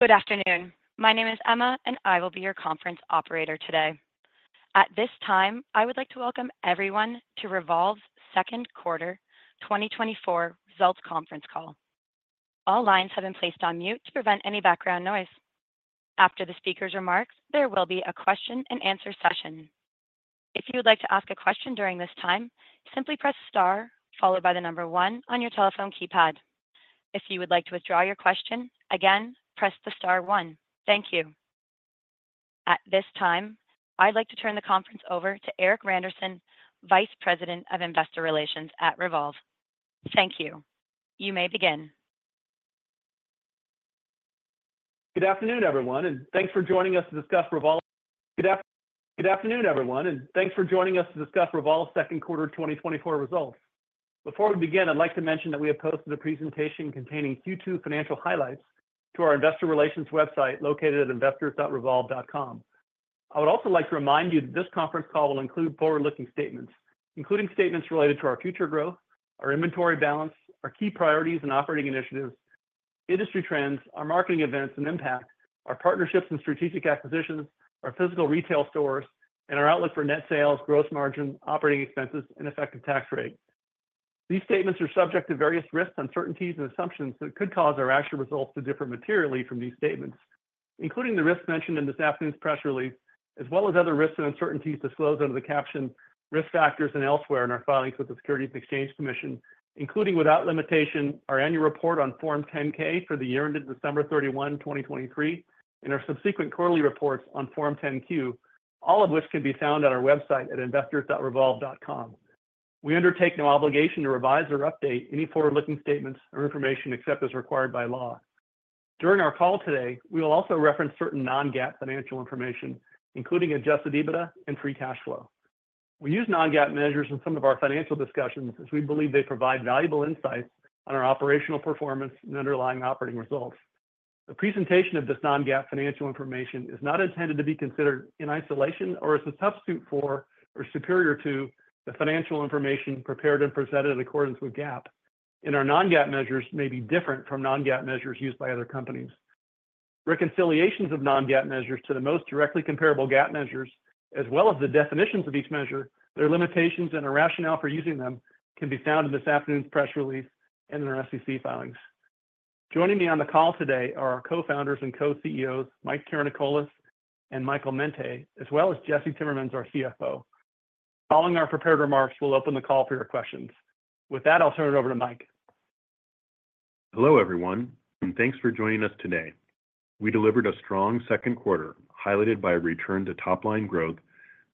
Good afternoon. My name is Emma, and I will be your conference operator today. At this time, I would like to welcome everyone to Revolve's Second Quarter 2024 Results Conference Call. All lines have been placed on mute to prevent any background noise. After the speaker's remarks, there will be a question and answer session. If you would like to ask a question during this time, simply press star, followed by the number one on your telephone keypad. If you would like to withdraw your question, again, press the star one. Thank you. At this time, I'd like to turn the conference over to Erik Randerson, Vice President of Investor Relations at Revolve. Thank you. You may begin. Good afternoon, everyone, and thanks for joining us to discuss Revolve's second quarter 2024 results. Before we begin, I'd like to mention that we have posted a presentation containing Q2 financial highlights to our investor relations website, located at investors.revolve.com. I would also like to remind you that this conference call will include forward-looking statements, including statements related to our future growth, our inventory balance, our key priorities and operating initiatives, industry trends, our marketing events and impact, our partnerships and strategic acquisitions, our physical retail stores, and our outlook for net sales, gross margin, operating expenses, and effective tax rate. These statements are subject to various risks, uncertainties, and assumptions that could cause our actual results to differ materially from these statements, including the risks mentioned in this afternoon's press release, as well as other risks and uncertainties disclosed under the caption Risk Factors and elsewhere in our filings with the Securities and Exchange Commission, including, without limitation, our annual report on Form 10-K for the year ended December 31, 2023, and our subsequent quarterly reports on Form 10-Q, all of which can be found on our website at investors.revolve.com. We undertake no obligation to revise or update any forward-looking statements or information except as required by law. During our call today, we will also reference certain non-GAAP financial information, including adjusted EBITDA and free cash flow. We use non-GAAP measures in some of our financial discussions as we believe they provide valuable insights on our operational performance and underlying operating results. The presentation of this non-GAAP financial information is not intended to be considered in isolation or as a substitute for or superior to the financial information prepared and presented in accordance with GAAP, and our non-GAAP measures may be different from non-GAAP measures used by other companies. Reconciliations of non-GAAP measures to the most directly comparable GAAP measures, as well as the definitions of each measure, their limitations and our rationale for using them, can be found in this afternoon's press release and in our SEC filings. Joining me on the call today are our co-founders and co-CEOs, Mike Karanikolas and Michael Mente, as well as Jesse Timmermans, our CFO. Following our prepared remarks, we'll open the call for your questions. With that, I'll turn it over to Mike. Hello, everyone, and thanks for joining us today. We delivered a strong second quarter, highlighted by a return to top-line growth,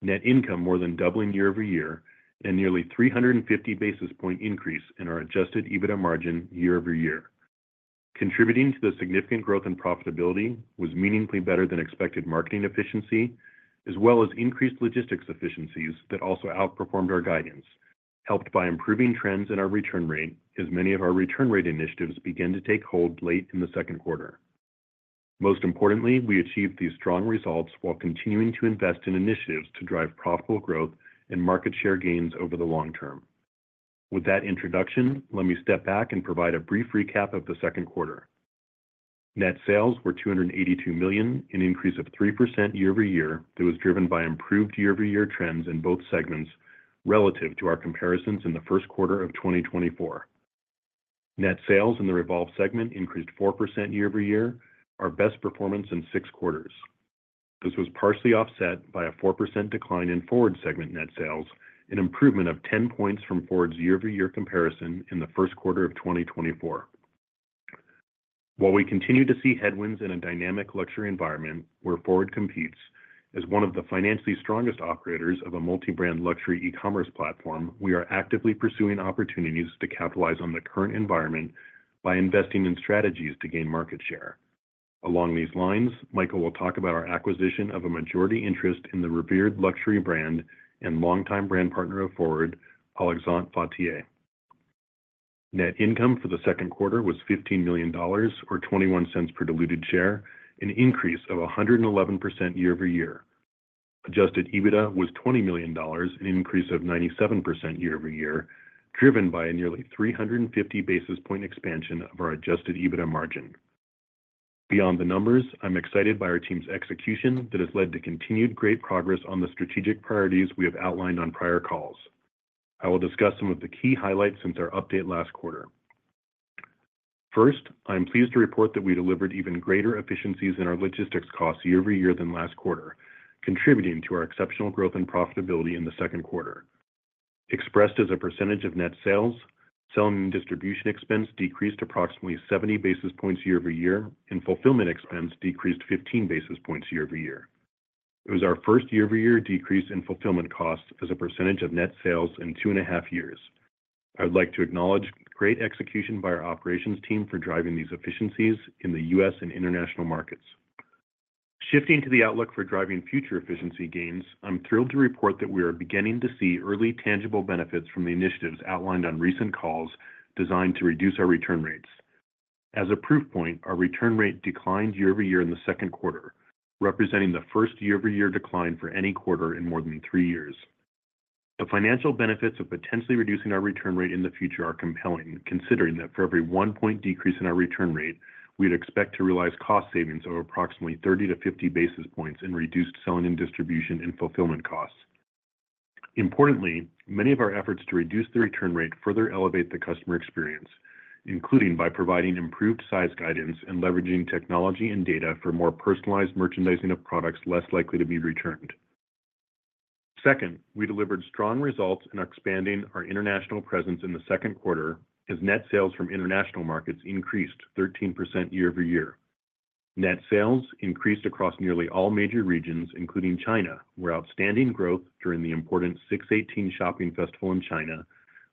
net income more than doubling year-over-year, and nearly 350 basis point increase in our adjusted EBITDA margin year-over-year. Contributing to the significant growth and profitability was meaningfully better than expected marketing efficiency, as well as increased logistics efficiencies that also outperformed our guidance, helped by improving trends in our return rate as many of our return rate initiatives began to take hold late in the second quarter. Most importantly, we achieved these strong results while continuing to invest in initiatives to drive profitable growth and market share gains over the long term. With that introduction, let me step back and provide a brief recap of the second quarter. Net sales were $282 million, an increase of 3% year-over-year that was driven by improved year-over-year trends in both segments relative to our comparisons in the first quarter of 2024. Net sales in the Revolve segment increased 4% year-over-year, our best performance in six quarters. This was partially offset by a 4% decline in FWRD segment net sales, an improvement of 10 points from FWRD's year-over-year comparison in the first quarter of 2024. While we continue to see headwinds in a dynamic luxury environment where FWRD competes, as one of the financially strongest operators of a multi-brand luxury e-commerce platform, we are actively pursuing opportunities to capitalize on the current environment by investing in strategies to gain market share. Along these lines, Michael will talk about our acquisition of a majority interest in the revered luxury brand and longtime brand partner of FWRD, Alexandre Vauthier. Net income for the second quarter was $15 million, or $0.21 per diluted share, an increase of 111% year-over-year. Adjusted EBITDA was $20 million, an increase of 97% year-over-year, driven by a nearly 350 basis point expansion of our adjusted EBITDA margin. Beyond the numbers, I'm excited by our team's execution that has led to continued great progress on the strategic priorities we have outlined on prior calls. I will discuss some of the key highlights since our update last quarter. First, I am pleased to report that we delivered even greater efficiencies in our logistics costs year-over-year than last quarter, contributing to our exceptional growth and profitability in the second quarter. Expressed as a percentage of net sales, selling and distribution expense decreased approximately 70 basis points year-over-year, and fulfillment expense decreased 15 basis points year-over-year. It was our first year-over-year decrease in fulfillment costs as a percentage of net sales in 2.5 years. I would like to acknowledge great execution by our operations team for driving these efficiencies in the U.S. and international markets. Shifting to the outlook for driving future efficiency gains, I'm thrilled to report that we are beginning to see early tangible benefits from the initiatives outlined on recent calls designed to reduce our return rates. As a proof point, our return rate declined year-over-year in the second quarter, representing the first year-over-year decline for any quarter in more than 3 years. The financial benefits of potentially reducing our return rate in the future are compelling, considering that for every one point decrease in our return rate, we'd expect to realize cost savings of approximately 30 basis points-50 basis points in reduced selling and distribution and fulfillment costs. Importantly, many of our efforts to reduce the return rate further elevate the customer experience, including by providing improved size guidance and leveraging technology and data for more personalized merchandising of products less likely to be returned. Second, we delivered strong results in expanding our international presence in the second quarter, as net sales from international markets increased 13% year-over-year. Net sales increased across nearly all major regions, including China, where outstanding growth during the important 618 Shopping Festival in China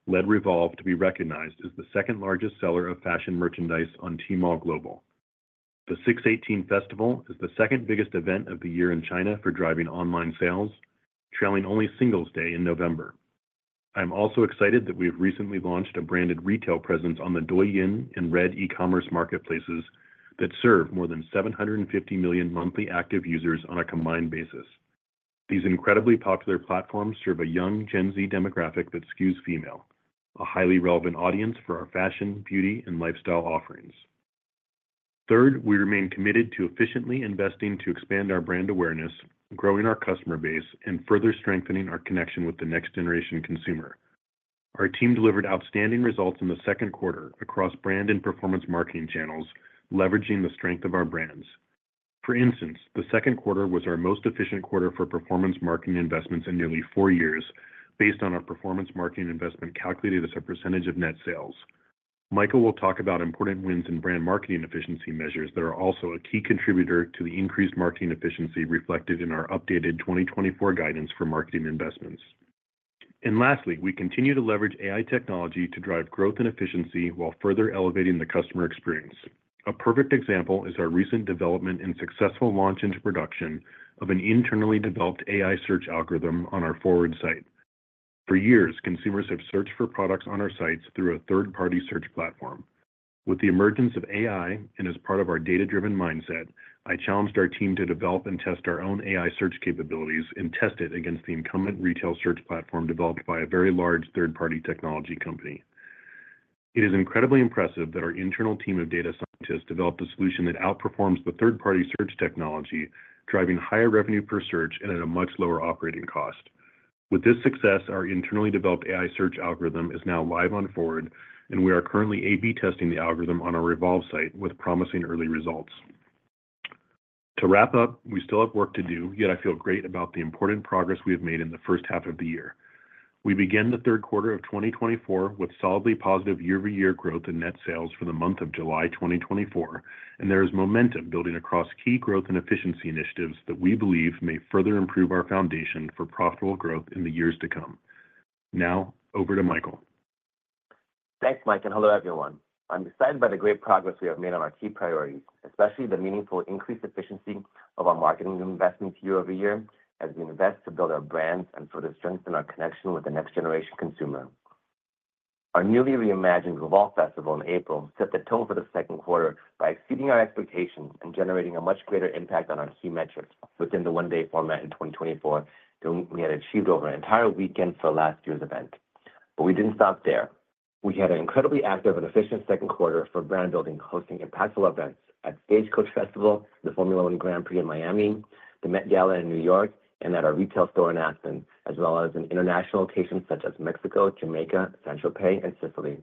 led Revolve to be recognized as the second largest seller of fashion merchandise on Tmall Global. The 618 Festival is the second biggest event of the year in China for driving online sales, trailing only Singles Day in November. I'm also excited that we have recently launched a branded retail presence on the Douyin and Red e-commerce marketplaces that serve more than 750 million monthly active users on a combined basis. These incredibly popular platforms serve a young Gen Z demographic that skews female, a highly relevant audience for our fashion, beauty, and lifestyle offerings. Third, we remain committed to efficiently investing to expand our brand awareness, growing our customer base, and further strengthening our connection with the next generation consumer. Our team delivered outstanding results in the second quarter across brand and performance marketing channels, leveraging the strength of our brands. For instance, the second quarter was our most efficient quarter for performance marketing investments in nearly four years, based on our performance marketing investment calculated as a percentage of net sales. Michael will talk about important wins in brand marketing efficiency measures that are also a key contributor to the increased marketing efficiency reflected in our updated 2024 guidance for marketing investments. And lastly, we continue to leverage AI technology to drive growth and efficiency while further elevating the customer experience. A perfect example is our recent development and successful launch into production of an internally developed AI search algorithm on our FWRD site. For years, consumers have searched for products on our sites through a third-party search platform. With the emergence of AI, and as part of our data-driven mindset, I challenged our team to develop and test our own AI search capabilities and test it against the incumbent retail search platform developed by a very large third-party technology company. It is incredibly impressive that our internal team of data scientists developed a solution that outperforms the third-party search technology, driving higher revenue per search and at a much lower operating cost. With this success, our internally developed AI search algorithm is now live on FWRD, and we are currently A/B testing the algorithm on our Revolve site with promising early results. To wrap up, we still have work to do, yet I feel great about the important progress we have made in the first half of the year. We begin the third quarter of 2024 with solidly positive year-over-year growth in net sales for the month of July 2024, and there is momentum building across key growth and efficiency initiatives that we believe may further improve our foundation for profitable growth in the years to come. Now, over to Michael. Thanks, Mike, and hello, everyone. I'm excited by the great progress we have made on our key priorities, especially the meaningful increased efficiency of our marketing investments year over year, as we invest to build our brands and further strengthen our connection with the next generation consumer. Our newly reimagined Revolve Festival in April set the tone for the second quarter by exceeding our expectations and generating a much greater impact on our key metrics within the one-day format in 2024 than we had achieved over an entire weekend for last year's event. We didn't stop there. We had an incredibly active and efficient second quarter for brand building, hosting impactful events at Stagecoach Festival, the Formula One Grand Prix in Miami, the Met Gala in New York, and at our retail store in Aspen, as well as in international locations such as Mexico, Jamaica, Saint-Tropez, and Sicily.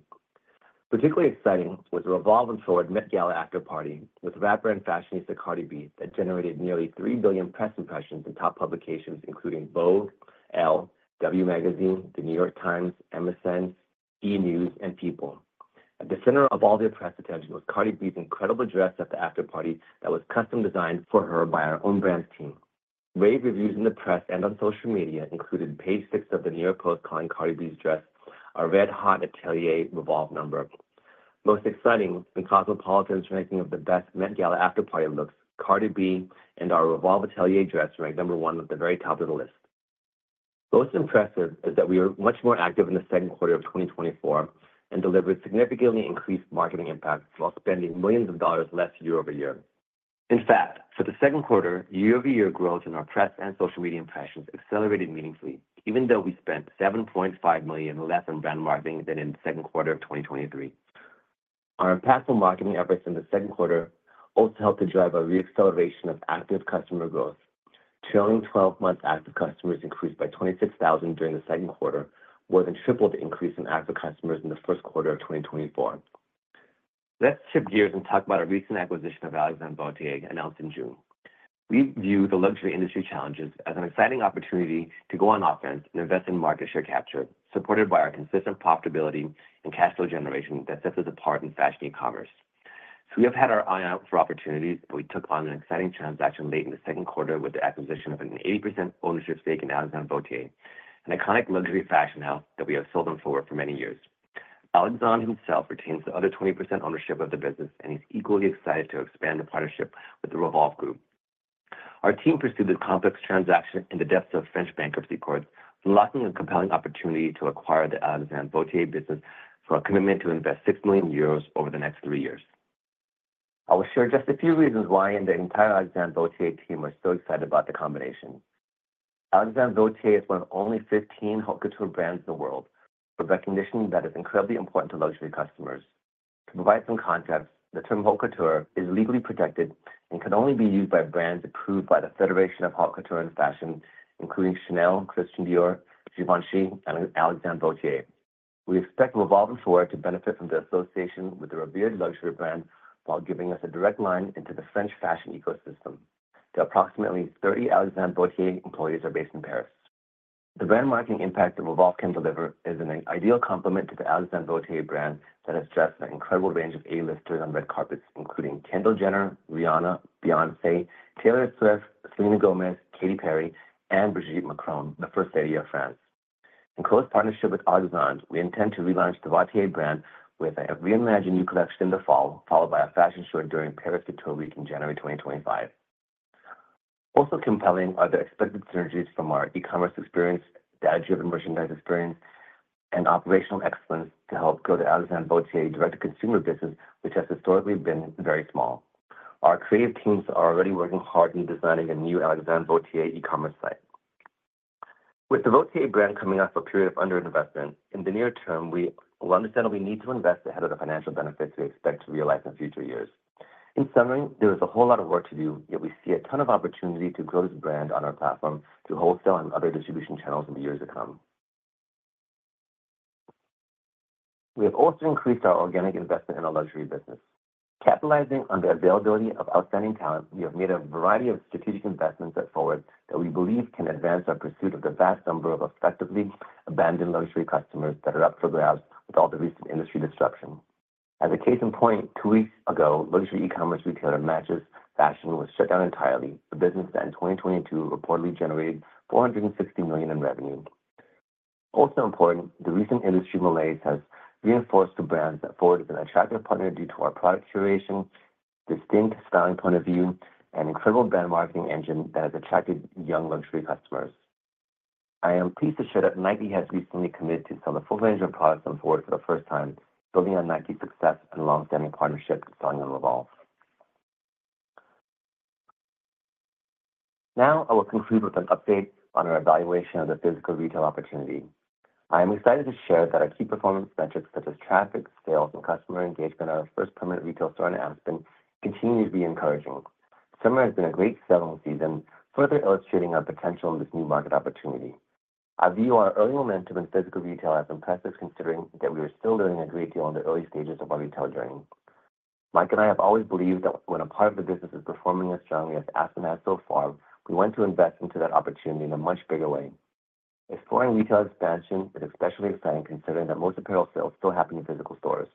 Particularly exciting was the Revolve and FWRD Met Gala after-party with rapper and fashionista, Cardi B, that generated nearly 3 billion press impressions in top publications including Vogue, ELLE, W Magazine, The New York Times, MSN, E! News, and People. At the center of all the press attention was Cardi B's incredible dress at the after-party that was custom designed for her by our own brand team. Rave reviews in the press and on social media included Page Six of the New York Post calling Cardi B's dress a red-hot Atelier Revolve number. Most exciting, in Cosmopolitan's ranking of the best Met Gala after-party looks, Cardi B and our Revolve Atelier dress ranked one at the very top of the list. Most impressive is that we are much more active in the second quarter of 2024 and delivered significantly increased marketing impact while spending millions of dollars less year-over-year. In fact, for the second quarter, year-over-year growth in our press and social media impressions accelerated meaningfully, even though we spent $7.5 million less on brand marketing than in the second quarter of 2023. Our impactful marketing efforts in the second quarter also helped to drive a re-acceleration of active customer growth. Trailing twelve-month active customers increased by 26,000 during the second quarter, more than triple the increase in active customers in the first quarter of 2024. Let's shift gears and talk about our recent acquisition of Alexandre Vauthier, announced in June. We view the luxury industry challenges as an exciting opportunity to go on offense and invest in market share capture, supported by our consistent profitability and cash flow generation that sets us apart in fashion e-commerce. So we have had our eye out for opportunities, but we took on an exciting transaction late in the second quarter with the acquisition of an 80% ownership stake in Alexandre Vauthier, an iconic luxury fashion house that we have sold on FWRD for many years. Alexandre himself retains the other 20% ownership of the business, and he's equally excited to expand the partnership with the Revolve Group. Our team pursued this complex transaction in the depths of French bankruptcy courts, locking a compelling opportunity to acquire the Alexandre Vauthier business for a commitment to invest 6 million euros over the next three years. I will share just a few reasons why, and the entire Alexandre Vauthier team are so excited about the combination. Alexandre Vauthier is one of only 15 Haute Couture brands in the world, with recognition that is incredibly important to luxury customers. To provide some context, the term Haute Couture is legally protected and can only be used by brands approved by the Federation of Haute Couture and Fashion, including Chanel, Christian Dior, Givenchy, and Alexandre Vauthier. We expect Revolve and FWRD to benefit from the association with the revered luxury brand, while giving us a direct line into the French fashion ecosystem. The approximately 30 Alexandre Vauthier employees are based in Paris. The brand marketing impact that Revolve can deliver is an ideal complement to the Alexandre Vauthier brand that has dressed an incredible range of A-listers on red carpets, including Kendall Jenner, Rihanna, Beyoncé, Taylor Swift, Selena Gomez, Katy Perry, and Brigitte Macron, the First Lady of France. In close partnership with Alexandre, we intend to relaunch the Vauthier brand with a reimagined new collection in the fall, followed by a fashion show during Paris Couture Week in January 2025. Also compelling are the expected synergies from our e-commerce experience, data-driven merchandise experience, and operational excellence to help grow the Alexandre Vauthier direct-to-consumer business, which has historically been very small. Our creative teams are already working hard in designing a new Alexandre Vauthier e-commerce site. With the Vauthier brand coming off a period of underinvestment, in the near term, we will understandably need to invest ahead of the financial benefits we expect to realize in future years. In summary, there is a whole lot of work to do, yet we see a ton of opportunity to grow this brand on our platform through wholesale and other distribution channels in the years to come. We have also increased our organic investment in our luxury business. Capitalizing on the availability of outstanding talent, we have made a variety of strategic investments at FWRD that we believe can advance our pursuit of the vast number of effectively abandoned luxury customers that are up for grabs with all the recent industry disruption. As a case in point, two weeks ago, luxury e-commerce retailer, MatchesFashion, was shut down entirely. The business that in 2022 reportedly generated $460 million in revenue. Also important, the recent industry malaise has reinforced to brands that FWRD is an attractive partner due to our product curation, distinct styling point of view, and incredible brand marketing engine that has attracted young luxury customers. I am pleased to share that Nike has recently committed to sell a full range of products on FWRD for the first time, building on Nike's success and long-standing partnership with us at and Revolve. Now, I will conclude with an update on our evaluation of the physical retail opportunity. I am excited to share that our key performance metrics, such as traffic, sales, and customer engagement at our first permanent retail store in Aspen, continue to be encouraging. Summer has been a great selling season, further illustrating our potential in this new market opportunity. I view our early momentum in physical retail as impressive, considering that we are still learning a great deal in the early stages of our retail journey. Mike and I have always believed that when a part of the business is performing as strongly as Aspen has so far, we want to invest into that opportunity in a much bigger way. Exploring retail expansion is especially exciting, considering that most apparel sales still happen in physical stores.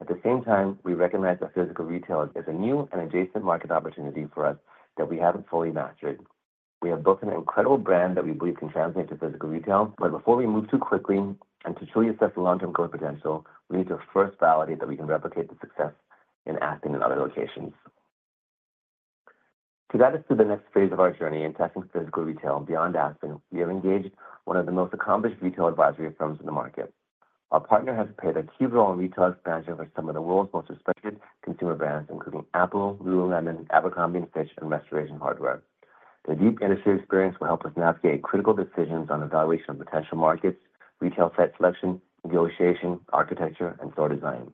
At the same time, we recognize that physical retail is a new and adjacent market opportunity for us that we haven't fully mastered. We have built an incredible brand that we believe can translate to physical retail, but before we move too quickly, and to truly assess the long-term growth potential, we need to first validate that we can replicate the success in Aspen in other locations. To guide us through the next phase of our journey in testing physical retail beyond Aspen, we have engaged one of the most accomplished retail advisory firms in the market. Our partner has played a key role in retail expansion for some of the world's most respected consumer brands, including Apple, Lululemon, Abercrombie & Fitch, and Restoration Hardware. Their deep industry experience will help us navigate critical decisions on evaluation of potential markets, retail site selection, negotiation, architecture, and store design.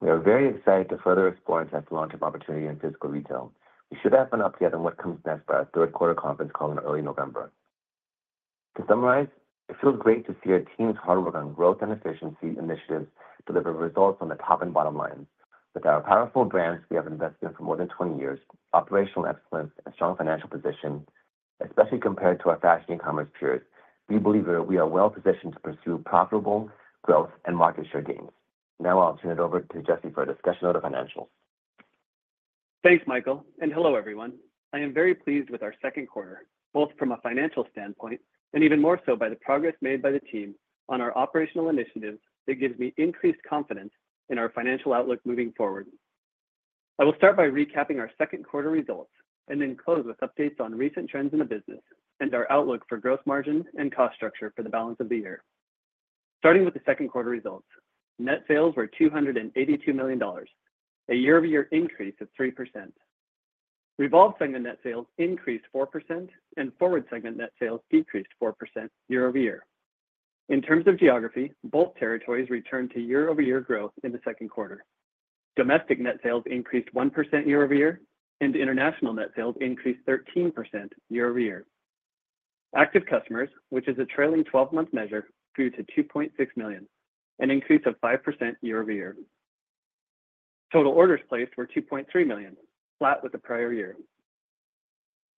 We are very excited to further explore and test the launch of opportunity in physical retail. We should have an update on what comes next for our third quarter conference call in early November. To summarize, it feels great to see our team's hard work on growth and efficiency initiatives deliver results on the top and bottom line. With our powerful brands we have invested in for more than 20 years, operational excellence, and strong financial position, especially compared to our fashion e-commerce peers, we believe that we are well positioned to pursue profitable growth and market share gains. Now, I'll turn it over to Jesse for a discussion of the financials. Thanks, Michael, and hello, everyone. I am very pleased with our second quarter, both from a financial standpoint and even more so by the progress made by the team on our operational initiatives. That gives me increased confidence in our financial outlook moving forward. I will start by recapping our second quarter results and then close with updates on recent trends in the business and our outlook for growth margin and cost structure for the balance of the year. Starting with the second quarter results, net sales were $282 million, a year-over-year increase of 3%. Revolve segment net sales increased 4%, and FWRD segment net sales decreased 4% year over year. In terms of geography, both territories returned to year-over-year growth in the second quarter. Domestic net sales increased 1% year-over-year, and international net sales increased 13% year-over-year. Active customers, which is a trailing twelve-month measure, grew to 2.6 million, an increase of 5% year-over-year. Total orders placed were 2.3 million, flat with the prior year.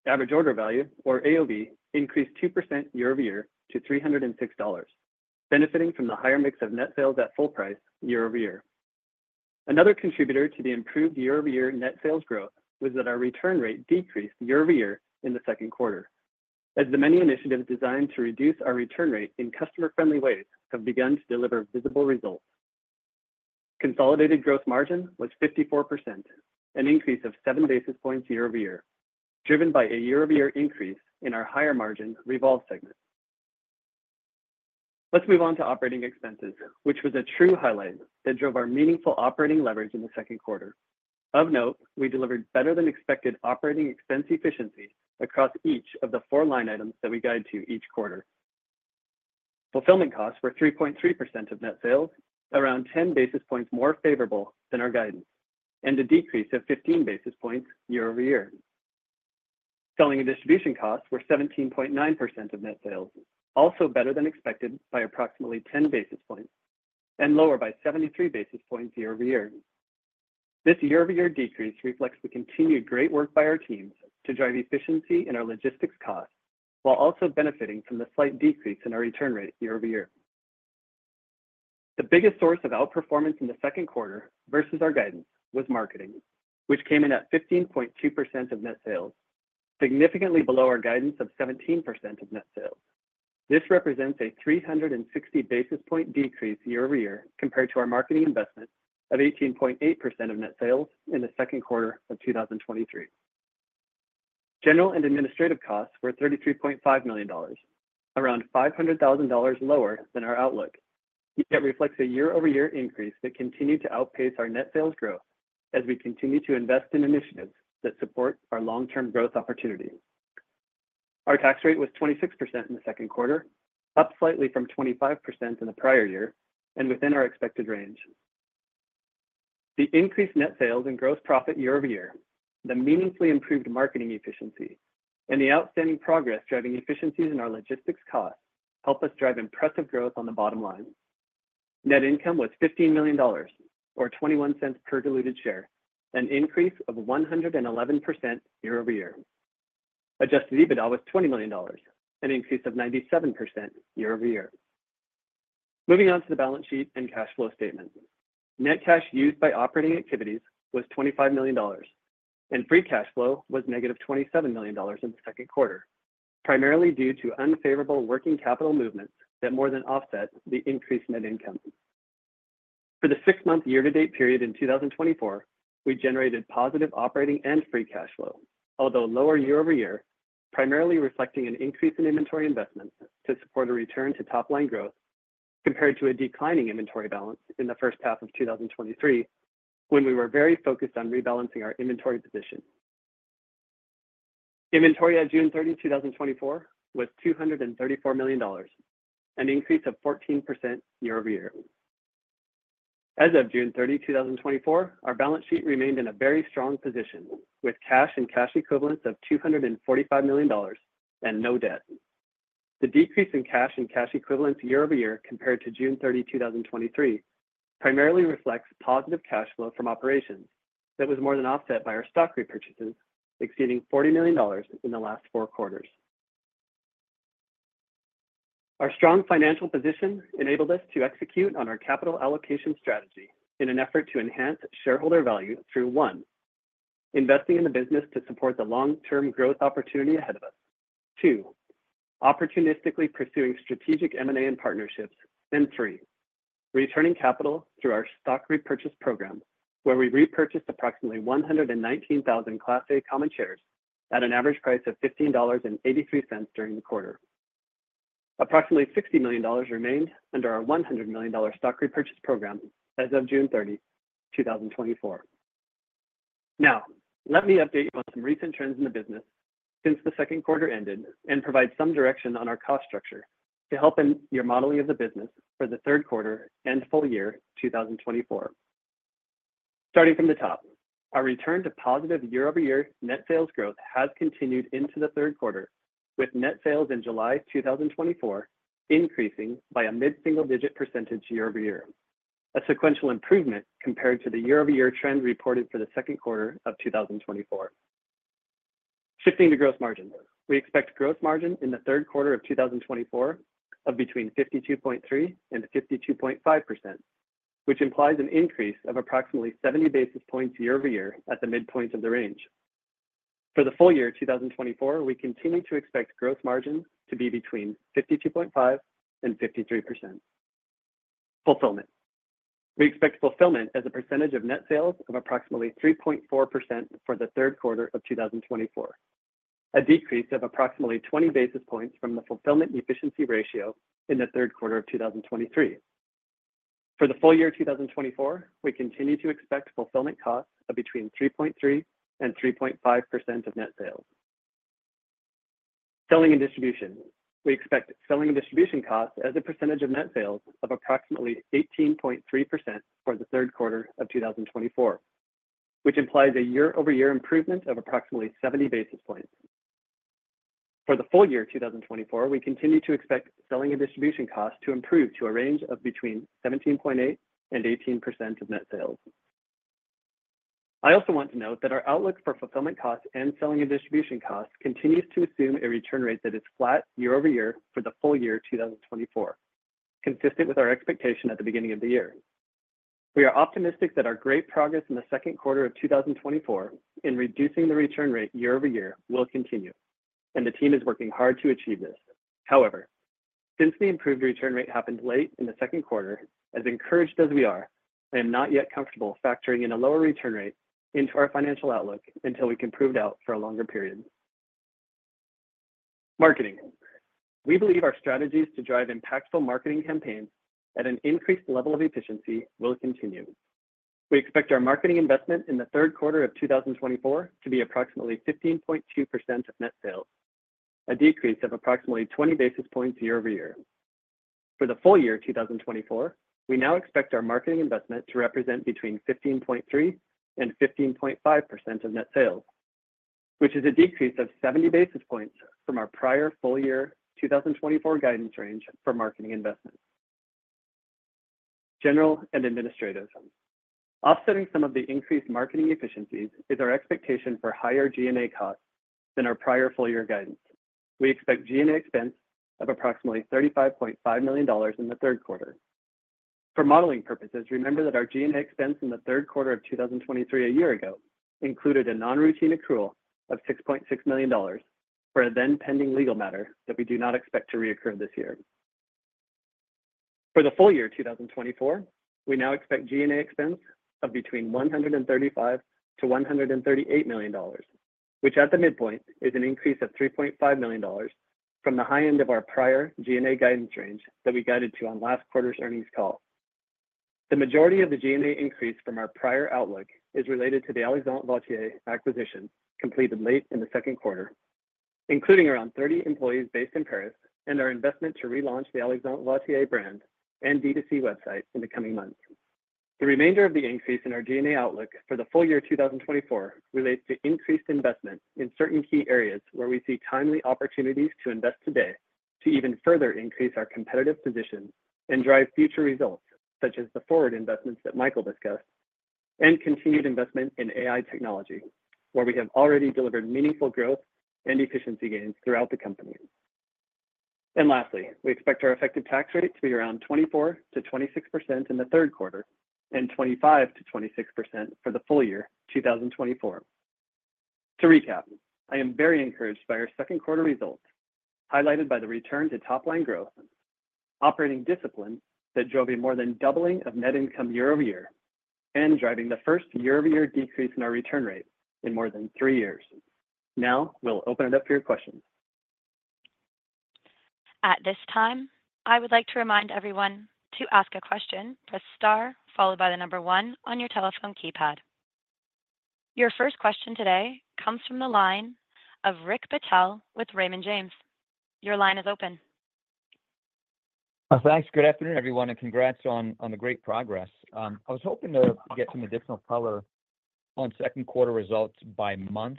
Average order value, or AOV, increased 2% year-over-year to $306, benefiting from the higher mix of net sales at full price year-over-year. Another contributor to the improved year-over-year net sales growth was that our return rate decreased year-over-year in the second quarter, as the many initiatives designed to reduce our return rate in customer-friendly ways have begun to deliver visible results. Consolidated gross margin was 54%, an increase of seven basis points year-over-year, driven by a year-over-year increase in our higher margin Revolve segment. Let's move on to operating expenses, which was a true highlight that drove our meaningful operating leverage in the second quarter. Of note, we delivered better than expected operating expense efficiency across each of the four line items that we guide to each quarter. Fulfillment costs were 3.3% of Net Sales, around 10 basis points more favorable than our guidance, and a decrease of 15 basis points year-over-year. Selling and Distribution costs were 17.9% of Net Sales, also better than expected by approximately 10 basis points and lower by 73 basis points year-over-year. This year-over-year decrease reflects the continued great work by our teams to drive efficiency in our logistics costs, while also benefiting from the slight decrease in our return rate year-over-year. The biggest source of outperformance in the second quarter versus our guidance was marketing, which came in at 15.2% of net sales, significantly below our guidance of 17% of net sales. This represents a 360 basis point decrease year over year compared to our marketing investment of 18.8% of net sales in the second quarter of 2023. General and administrative costs were $33.5 million, around $500,000 lower than our outlook. It reflects a year-over-year increase that continued to outpace our net sales growth as we continue to invest in initiatives that support our long-term growth opportunities. Our tax rate was 26% in the second quarter, up slightly from 25% in the prior year and within our expected range. The increased net sales and gross profit year-over-year, the meaningfully improved marketing efficiency, and the outstanding progress driving efficiencies in our logistics costs helped us drive impressive growth on the bottom line. Net income was $15 million, or $0.21 per diluted share, an increase of 111% year-over-year. Adjusted EBITDA was $20 million, an increase of 97% year-over-year. Moving on to the balance sheet and cash flow statement. Net cash used by operating activities was $25 million, and free cash flow was negative $27 million in the second quarter, primarily due to unfavorable working capital movements that more than offset the increased net income. For the six-month year-to-date period in 2024, we generated positive operating and free cash flow, although lower year-over-year, primarily reflecting an increase in inventory investments to support a return to top line growth, compared to a declining inventory balance in the first half of 2023, when we were very focused on rebalancing our inventory position. Inventory at June 30, 2024, was $234 million, an increase of 14% year-over-year. As of June 30, 2024, our balance sheet remained in a very strong position, with cash and cash equivalents of $245 million and no debt. The decrease in cash and cash equivalents year-over-year compared to June 30, 2023, primarily reflects positive cash flow from operations that was more than offset by our stock repurchases, exceeding $40 million in the last four quarters. Our strong financial position enabled us to execute on our capital allocation strategy in an effort to enhance shareholder value through, one, investing in the business to support the long-term growth opportunity ahead of us, two, opportunistically pursuing strategic M&A and partnerships, and three, returning capital through our stock repurchase program, where we repurchased approximately 119,000 Class A common shares at an average price of $15.83 during the quarter. Approximately $60 million remained under our $100 million stock repurchase program as of June 30, 2024. Now, let me update you on some recent trends in the business since the second quarter ended and provide some direction on our cost structure to help in your modeling of the business for the third quarter and full year, 2024. Starting from the top, our return to positive year-over-year net sales growth has continued into the third quarter, with net sales in July 2024 increasing by a mid-single-digit percentage year over year, a sequential improvement compared to the year-over-year trend reported for the second quarter of 2024. Shifting to gross margin. We expect gross margin in the third quarter of 2024 of between 52.3% and 52.5%, which implies an increase of approximately 70 basis points year over year at the midpoint of the range. For the full year of 2024, we continue to expect gross margin to be between 52.5% and 53%. Fulfillment. We expect fulfillment as a percentage of net sales of approximately 3.4% for the third quarter of 2024, a decrease of approximately 20 basis points from the fulfillment efficiency ratio in the third quarter of 2023. For the full year of 2024, we continue to expect fulfillment costs of between 3.3% and 3.5% of net sales. Selling and distribution. We expect selling and distribution costs as a percentage of net sales of approximately 18.3% for the third quarter of 2024, which implies a year-over-year improvement of approximately 70 basis points. For the full year of 2024, we continue to expect selling and distribution costs to improve to a range of between 17.8%-18% of net sales. I also want to note that our outlook for fulfillment costs and selling and distribution costs continues to assume a return rate that is flat year-over-year for the full year of 2024, consistent with our expectation at the beginning of the year. We are optimistic that our great progress in the second quarter of 2024 in reducing the return rate year-over-year will continue, and the team is working hard to achieve this. However, since the improved return rate happened late in the second quarter, as encouraged as we are, I am not yet comfortable factoring in a lower return rate into our financial outlook until we can prove it out for a longer period. Marketing. We believe our strategies to drive impactful marketing campaigns at an increased level of efficiency will continue. We expect our marketing investment in the third quarter of 2024 to be approximately 15.2% of net sales, a decrease of approximately 20 basis points year over year. For the full year, 2024, we now expect our marketing investment to represent between 15.3% and 15.5% of net sales, which is a decrease of 70 basis points from our prior full year 2024 guidance range for marketing investments. General and administrative. Offsetting some of the increased marketing efficiencies is our expectation for higher G&A costs than our prior full year guidance. We expect G&A expense of approximately $35.5 million in the third quarter. For modeling purposes, remember that our G&A expense in the third quarter of 2023, a year ago, included a non-routine accrual of $6.6 million for a then pending legal matter that we do not expect to reoccur this year. For the full year, 2024, we now expect G&A expense of between $135 million-$138 million, which at the midpoint, is an increase of $3.5 million from the high end of our prior G&A guidance range that we guided to on last quarter's earnings call. The majority of the GNA increase from our prior outlook is related to the Alexandre Vauthier acquisition, completed late in the second quarter, including around 30 employees based in Paris, and our investment to relaunch the Alexandre Vauthier brand and B2C website in the coming months. The remainder of the increase in our G&A outlook for the full year 2024 relates to increased investment in certain key areas where we see timely opportunities to invest today to even further increase our competitive position and drive future results, such as the forward investments that Michael discussed, and continued investment in AI technology, where we have already delivered meaningful growth and efficiency gains throughout the company. And lastly, we expect our effective tax rate to be around 24%-26% in the third quarter, and 25%-26% for the full year, 2024. To recap, I am very encouraged by our second quarter results, highlighted by the return to top-line growth, operating discipline that drove a more than doubling of net income year-over-year, and driving the first year-over-year decrease in our return rate in more than three years. Now, we'll open it up for your questions. At this time, I would like to remind everyone to ask a question, press star followed by the number one on your telephone keypad. Your first question today comes from the line of Rick Patel with Raymond James. Your line is open. Thanks. Good afternoon, everyone, and congrats on the great progress. I was hoping to get some additional color on second quarter results by month,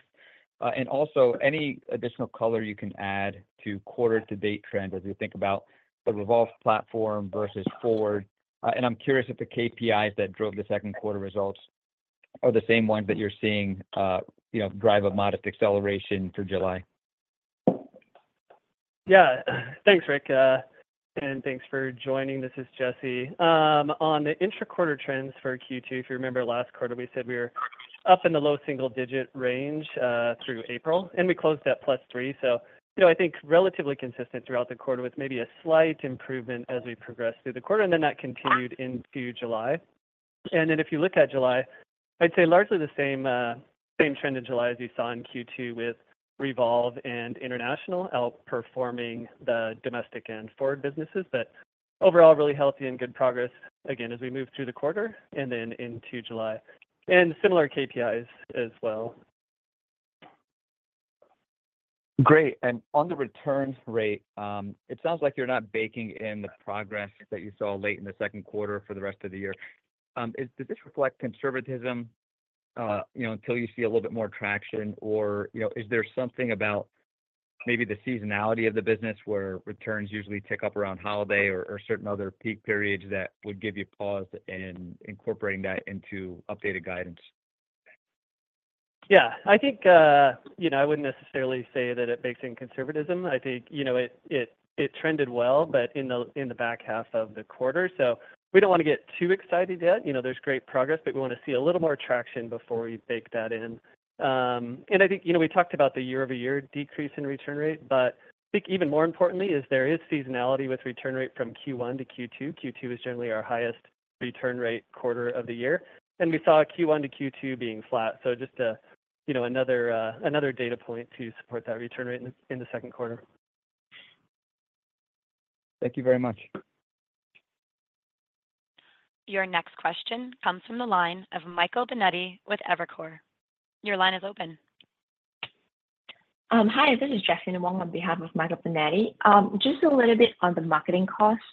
and also any additional color you can add to quarter-to-date trend as you think about the Revolve platform versus FWRD. And I'm curious if the KPIs that drove the second quarter results are the same ones that you're seeing, you know, drive a modest acceleration through July. Yeah. Thanks, Rick. And thanks for joining. This is Jesse. On the intra-quarter trends for Q2, if you remember last quarter, we said we were up in the low single digit range through April, and we closed at +3. So, you know, I think relatively consistent throughout the quarter, with maybe a slight improvement as we progressed through the quarter, and then that continued into July. And then if you look at July, I'd say largely the same, same trend in July as you saw in Q2, with Revolve and International outperforming the domestic and forward businesses. But overall, really healthy and good progress, again, as we move through the quarter and then into July, and similar KPIs as well. Great. And on the return rate, it sounds like you're not baking in the progress that you saw late in the second quarter for the rest of the year. Does this reflect conservatism, you know, until you see a little bit more traction? Or, you know, is there something about maybe the seasonality of the business, where returns usually tick up around holiday or certain other peak periods that would give you pause in incorporating that into updated guidance? Yeah. I think, you know, I wouldn't necessarily say that it bakes in conservatism. I think, you know, it trended well, but in the back half of the quarter. So we don't wanna get too excited yet. You know, there's great progress, but we wanna see a little more traction before we bake that in. And I think, you know, we talked about the year-over-year decrease in return rate, but I think even more importantly, is there is seasonality with return rate from Q1 to Q2. Q2 is generally our highest return rate quarter of the year, and we saw Q1 to Q2 being flat. So just you know, another data point to support that return rate in the second quarter. Thank you very much. Your next question comes from the line of Michael Binetti with Evercore. Your line is open. Hi, this is Jesalyn Wong on behalf of Michael Binetti. Just a little bit on the marketing costs.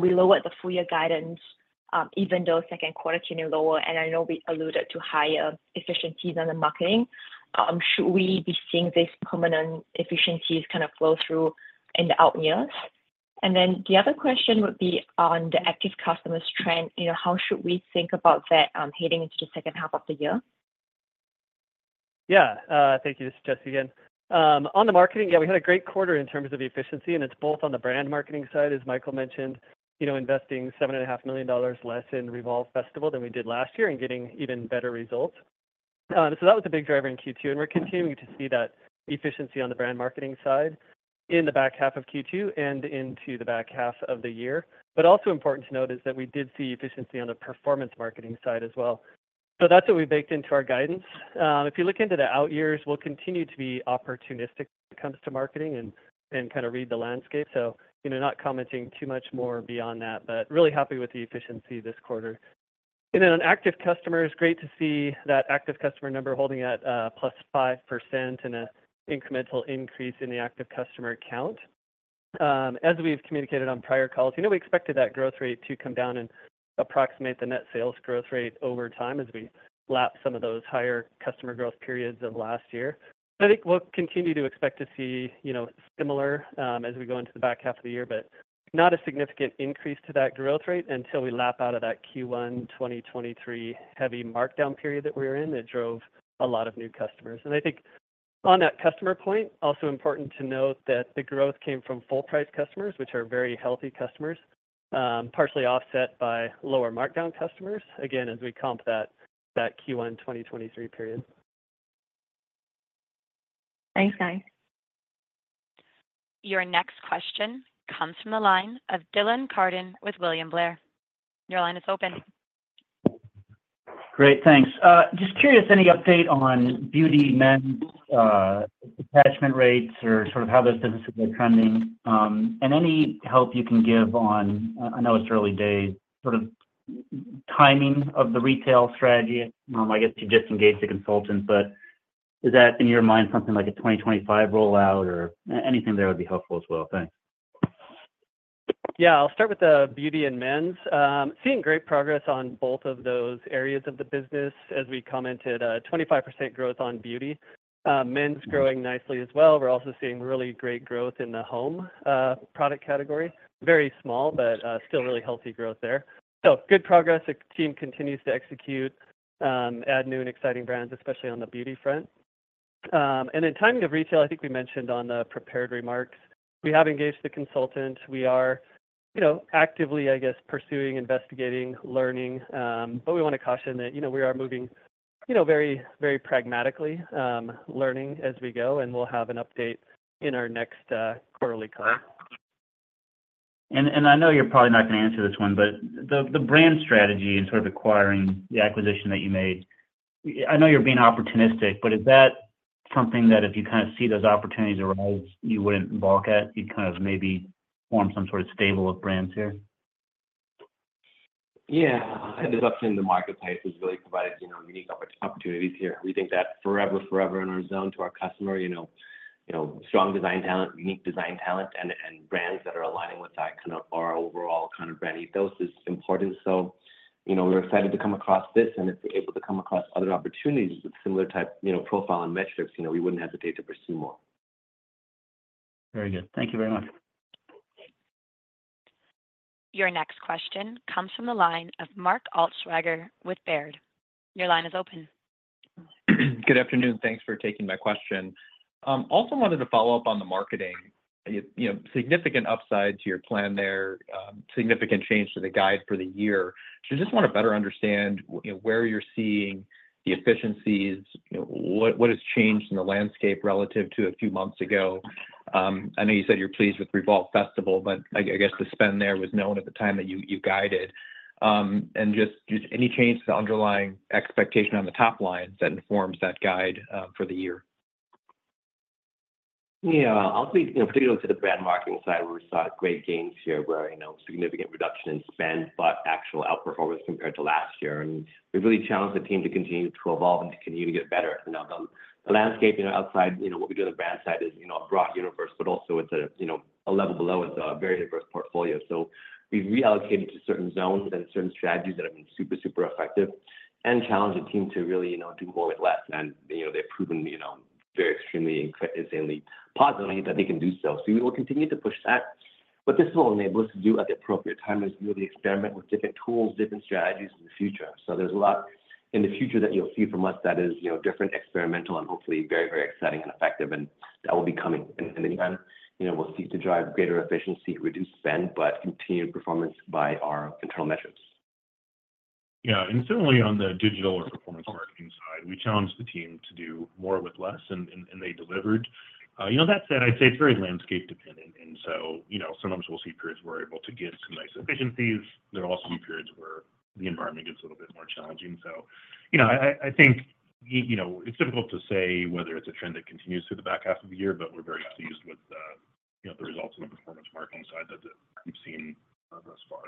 We lowered the full year guidance, even though second quarter came in lower, and I know we alluded to higher efficiencies on the marketing. Should we be seeing this permanent efficiencies kind of flow through in the out years? And then the other question would be on the active customers trend. You know, how should we think about that, heading into the second half of the year? Yeah. Thank you. This is Jesse again. On the marketing, yeah, we had a great quarter in terms of efficiency, and it's both on the brand marketing side, as Michael mentioned, you know, investing $7.5 million less in Revolve Festival than we did last year, and getting even better results. So that was the big driver in Q2, and we're continuing to see that efficiency on the brand marketing side in the back half of Q2 and into the back half of the year. But also important to note is that we did see efficiency on the performance marketing side as well. So that's what we baked into our guidance. If you look into the out years, we'll continue to be opportunistic when it comes to marketing and, and kind of read the landscape. So, you know, not commenting too much more beyond that, but really happy with the efficiency this quarter. Then on active customers, great to see that active customer number holding at +5% and an incremental increase in the active customer count. As we've communicated on prior calls, you know, we expected that growth rate to come down and approximate the net sales growth rate over time as we lap some of those higher customer growth periods of last year. But I think we'll continue to expect to see, you know, similar, as we go into the back half of the year, but not a significant increase to that growth rate until we lap out of that Q1 2023 heavy markdown period that we were in. That drove a lot of new customers. I think on that customer point, also important to note that the growth came from full-price customers, which are very healthy customers, partially offset by lower markdown customers, again, as we comp that, that Q1 2023 period. Thanks, guys. Your next question comes from the line of Dylan Carden with William Blair. Your line is open. Great. Thanks. Just curious, any update on beauty, men's, attachment rates or sort of how those businesses are trending? And any help you can give on, I know it's early days, sort of timing of the retail strategy. I guess you just engaged the consultant, but is that, in your mind, something like a 2025 rollout, or anything there would be helpful as well? Thanks. Yeah, I'll start with the beauty and men's. Seeing great progress on both of those areas of the business. As we commented, 25% growth on beauty. Men's growing nicely as well. We're also seeing really great growth in the home product category. Very small, but still really healthy growth there. So good progress. The team continues to execute, add new and exciting brands, especially on the beauty front. And then timing of retail, I think we mentioned on the prepared remarks, we have engaged the consultant. We are, you know, actively, I guess, pursuing, investigating, learning, but we want to caution that, you know, we are moving, you know, very, very pragmatically, learning as we go, and we'll have an update in our next quarterly call. And I know you're probably not going to answer this one, but the brand strategy and sort of acquiring the acquisition that you made, I know you're being opportunistic, but is that something that if you kind of see those opportunities arise, you wouldn't balk at? You'd kind of maybe form some sort of stable of brands here? Yeah. I think the market type has really provided, you know, unique opportunities here. We think that forever, forever in our zone to our customer, you know, you know, strong design talent, unique design talent, and, and brands that are aligning with that kind of our overall kind of brand ethos is important. So, you know, we're excited to come across this, and if we're able to come across other opportunities with similar type, you know, profile and metrics, you know, we wouldn't hesitate to pursue more. Very good. Thank you very much. Your next question comes from the line of Mark Altschwager with Baird. Your line is open. Good afternoon, thanks for taking my question. Also wanted to follow up on the marketing. You know, significant upside to your plan there, significant change to the guide for the year. So just want to better understand, you know, where you're seeing the efficiencies, you know, what has changed in the landscape relative to a few months ago. I know you said you're pleased with Revolve Festival, but I guess the spend there was known at the time that you guided. And just any change to the underlying expectation on the top line that informs that guide for the year? Yeah. I'll speak, you know, particularly to the brand marketing side, where we saw great gains here, where, you know, significant reduction in spend, but actual outperformance compared to last year. We've really challenged the team to continue to evolve and to continue to get better. You know, the landscape, you know, outside, you know, what we do on the brand side is, you know, a broad universe, but also it's a, you know, a level below. It's a very diverse portfolio. So we've reallocated to certain zones and certain strategies that have been super, super effective and challenged the team to really, you know, do more with less. You know, they've proven, you know, very extremely, insanely positively that they can do so. So we will continue to push that, but this will enable us to do at the appropriate time, is really experiment with different tools, different strategies in the future. So there's a lot in the future that you'll see from us that is, you know, different, experimental, and hopefully very, very exciting and effective, and that will be coming. And in the meantime, you know, we'll seek to drive greater efficiency, reduced spend, but continued performance by our internal metrics. Yeah, and certainly on the digital or performance marketing side, we challenged the team to do more with less, and they delivered. You know, that said, I'd say it's very landscape dependent, and so, you know, sometimes we'll see periods we're able to get some nice efficiencies. There will also be periods where the environment gets a little bit more challenging. So, you know, I think, you know, it's difficult to say whether it's a trend that continues through the back half of the year, but we're very pleased with the, you know, the results on the performance marketing side that we've seen thus far.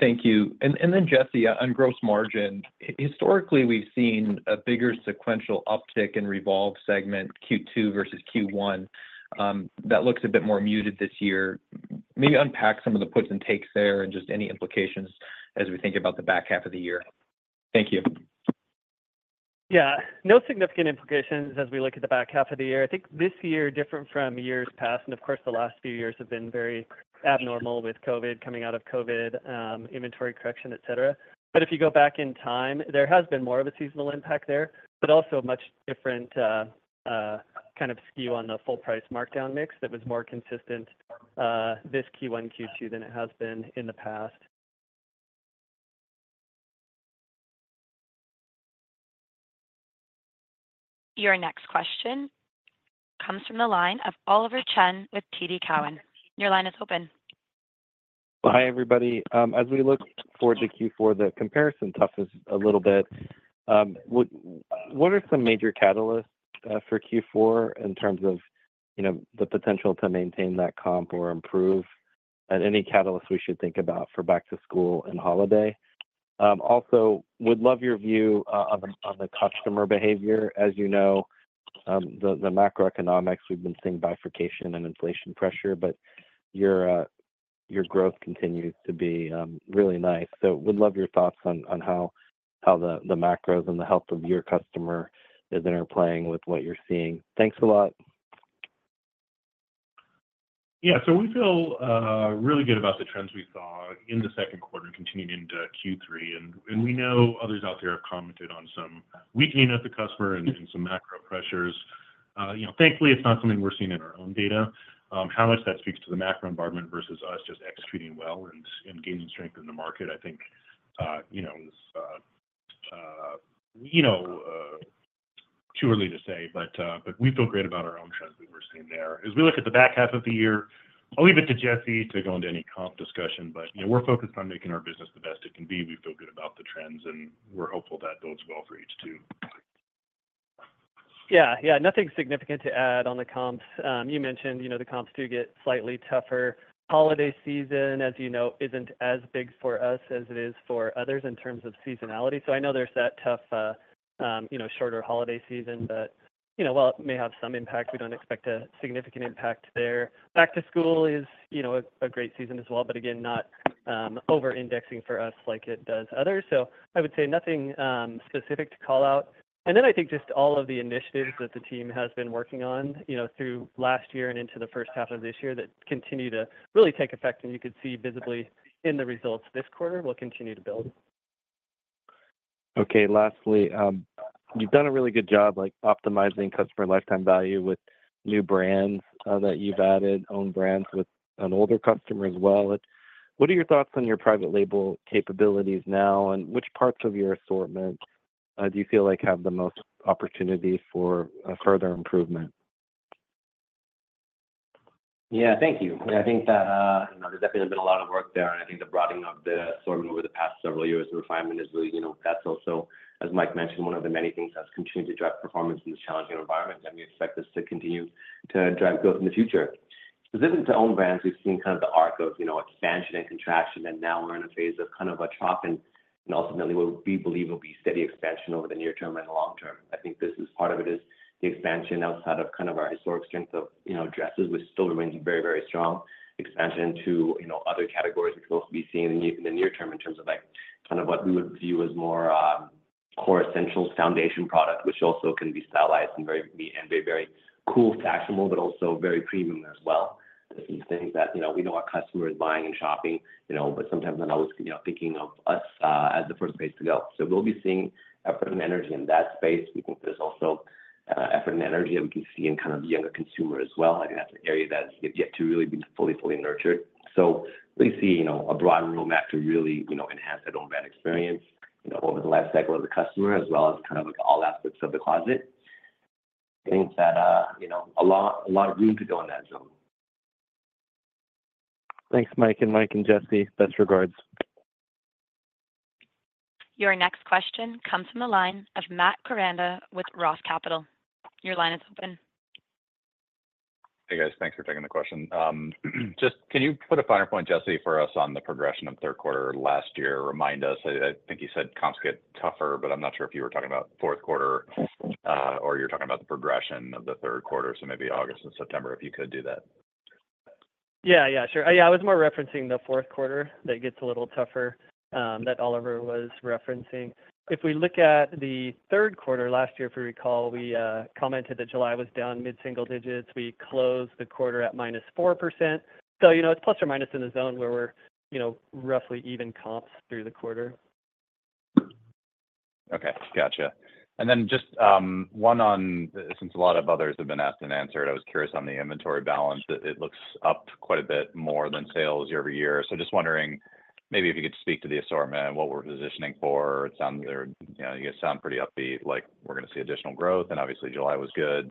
Thank you. Then, Jesse, on gross margin, historically, we've seen a bigger sequential uptick in Revolve segment Q2 versus Q1. That looks a bit more muted this year. Maybe unpack some of the puts and takes there and just any implications as we think about the back half of the year. Thank you. Yeah. No significant implications as we look at the back half of the year. I think this year, different from years past, and of course, the last few years have been very abnormal with COVID, coming out of COVID, inventory correction, et cetera. But if you go back in time, there has been more of a seasonal impact there, but also a much different kind of skew on the full price markdown mix that was more consistent this Q1, Q2 than it has been in the past. .Your next question comes from the line of Oliver Chen with TD Cowen. Your line is open. Hi, everybody. As we look forward to Q4, the comparison tough is a little bit. What are some major catalysts for Q4 in terms of, you know, the potential to maintain that comp or improve, and any catalysts we should think about for back to school and holiday? Also, would love your view on the, on the customer behavior. As you know, the macroeconomics, we've been seeing bifurcation and inflation pressure, but your growth continues to be really nice. So would love your thoughts on, on how, how the, the macros and the health of your customer is interplaying with what you're seeing. Thanks a lot. Yeah. So we feel really good about the trends we saw in the second quarter continuing into Q3, and we know others out there have commented on some weakening of the customer and some macro pressures. You know, thankfully, it's not something we're seeing in our own data. How much that speaks to the macro environment versus us just executing well and gaining strength in the market? I think you know too early to say, but we feel great about our own trends that we're seeing there. As we look at the back half of the year, I'll leave it to Jesse to go into any comp discussion, but you know, we're focused on making our business the best it can be. We feel good about the trends, and we're hopeful that bodes well for H2. Yeah. Yeah, nothing significant to add on the comps. You mentioned, you know, the comps do get slightly tougher. Holiday season, as you know, isn't as big for us as it is for others in terms of seasonality. So I know there's that tough, you know, shorter holiday season, but, you know, while it may have some impact, we don't expect a significant impact there. Back to school is, you know, a great season as well, but again, not overindexing for us like it does others. So I would say nothing specific to call out. And then I think just all of the initiatives that the team has been working on, you know, through last year and into the first half of this year, that continue to really take effect, and you could see visibly in the results this quarter will continue to build. Okay. Lastly, you've done a really good job, like, optimizing customer lifetime value with new brands that you've added, own brands with an older customer as well. What are your thoughts on your private label capabilities now, and which parts of your assortment do you feel like have the most opportunity for further improvement? Yeah, thank you. I think that, there's definitely been a lot of work there, and I think the broadening of the assortment over the past several years and refinement is really, you know. That's also, as Mike mentioned, one of the many things that's continued to drive performance in this challenging environment, and we expect this to continue to drive growth in the future. Specific to own brands, we've seen kind of the arc of, you know, expansion and contraction, and now we're in a phase of kind of a trough and, and ultimately, what we believe will be steady expansion over the near term and the long term. I think this is part of it is the expansion outside of kind of our historic strength of, you know, dresses, which still remains very, very strong. Expansion into, you know, other categories, which we see in the, in the near term, in terms of, like, kind of what we would view as more, core essentials, foundation product, which also can be stylized and very me and very, very cool, fashionable, but also very premium as well. These things that, you know, we know our customer is buying and shopping, you know, but sometimes not always, you know, thinking of us, as the first place to go. So we'll be seeing effort and energy in that space. We think there's also, effort and energy that we can see in kind of the younger consumer as well. I think that's an area that is yet to really be fully nurtured. We see, you know, a broad roadmap to really, you know, enhance that own brand experience, you know, over the life cycle of the customer, as well as kind of, like, all aspects of the closet. Things that, you know, a lot, a lot of room to go in that zone. Thanks, Mike and Mike and Jesse. Best regards. Your next question comes from the line of Matt Koranda with Roth Capital. Your line is open. Hey, guys. Thanks for taking the question. Just, can you put a finer point, Jesse, for us on the progression of third quarter last year? Remind us. I, I think you said comps get tougher, but I'm not sure if you were talking about fourth quarter, or you're talking about the progression of the third quarter, so maybe August and September. If you could do that. Yeah, yeah, sure. Yeah, I was more referencing the fourth quarter that gets a little tougher, that Oliver was referencing. If we look at the third quarter, last year, if we recall, we commented that July was down mid-single digits. We closed the quarter at -4%. So, you know, it's plus or minus in the zone where we're, you know, roughly even comps through the quarter. Okay, gotcha. And then just, one on since a lot of others have been asked and answered, I was curious on the inventory balance. It looks up quite a bit more than sales year over year. So just wondering, maybe if you could speak to the assortment and what we're positioning for. It sounds there, you know, you sound pretty upbeat, like we're gonna see additional growth, and obviously, July was good.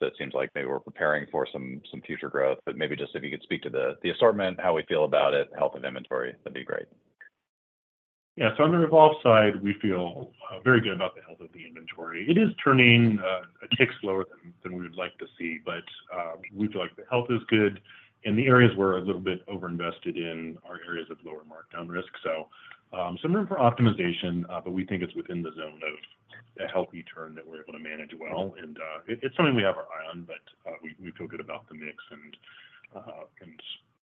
So it seems like maybe we're preparing for some future growth, but maybe just if you could speak to the assortment, how we feel about it, health of inventory, that'd be great. Yeah. So on the Revolve side, we feel very good about the health of the inventory. It is turning a tick slower than we would like to see, but we feel like the health is good. In the areas we're a little bit overinvested in are areas of lower markdown risk, so some room for optimization, but we think it's within the zone of a healthy turn that we're able to manage well. And it's something we have our eye on, but we feel good about the mix and, and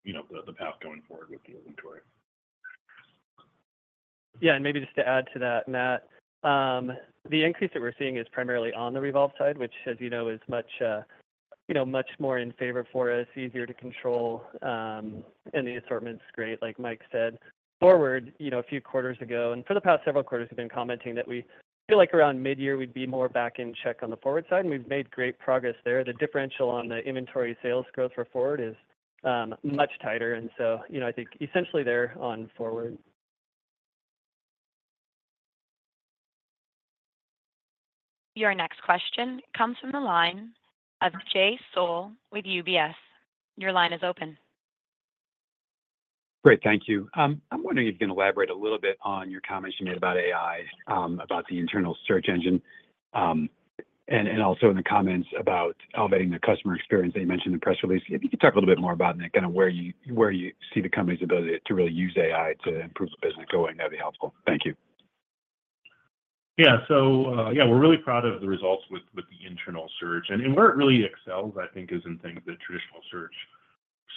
you know, the path going forward with the inventory. Yeah, and maybe just to add to that, Matt, the increase that we're seeing is primarily on the Revolve side, which, as you know, is much, you know, much more in favor for us, easier to control, and the assortment is great, like Mike said. FWRD, you know, a few quarters ago, and for the past several quarters, we've been commenting that we feel like around midyear we'd be more back in check on the FWRD side, and we've made great progress there. The differential on the inventory sales growth for FWRD is, much tighter, and so, you know, I think essentially they're on FWRD. Your next question comes from the line of Jay Sole with UBS. Your line is open. Great. Thank you. I'm wondering if you can elaborate a little bit on your comments you made about AI, about the internal search engine. And also in the comments about elevating the customer experience that you mentioned in the press release. If you could talk a little bit more about that, kinda where you see the company's ability to really use AI to improve the business going, that'd be helpful. Thank you. Yeah. So, yeah, we're really proud of the results with the internal search. And where it really excels, I think, is in things that traditional search